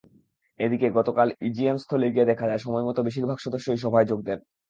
এদিকে গতকাল ইজিএমস্থলে গিয়ে দেখা যায়, সময়মতো বেশির ভাগ সদস্যই সভায় যোগ দেন।